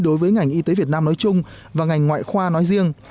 đối với ngành y tế việt nam nói chung và ngành ngoại khoa nói riêng